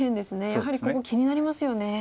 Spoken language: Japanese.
やはりここ気になりますよね。